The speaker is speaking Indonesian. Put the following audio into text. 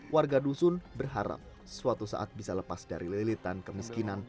warga dusun berharap suatu saat bisa lepas dari lilitan kemiskinan